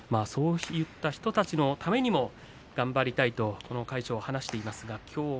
そういった人たちのためにも頑張りたいと魁勝は話しています。